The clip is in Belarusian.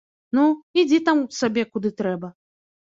Ну, ідзі там сабе куды трэба.